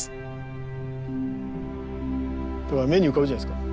目に浮かぶじゃないですか。